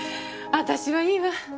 私はいいわ。